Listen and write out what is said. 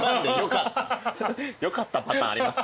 よかったパターンあります？